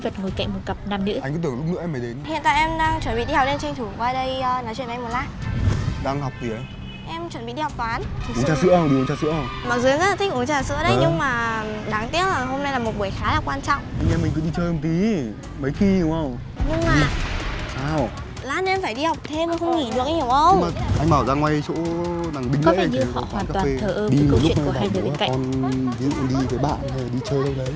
với câu chuyện của hai người bên cạnh